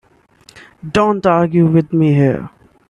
Don't argue with me here.